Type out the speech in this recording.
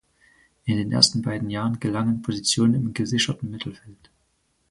In den ersten beiden Jahren gelangen Positionen im gesicherten Mittelfeld.